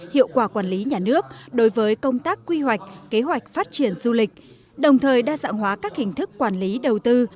hiệu quả quản lý nhà nước đối với công tác quy hoạch kế hoạch phát triển du lịch đồng thời đa dạng hóa các hình thức quản lý đầu tư